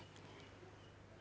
saya cuma orang tua yaa